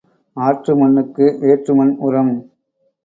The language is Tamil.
ஆற்று மண்ணுக்கு வேற்று மண் உரம்.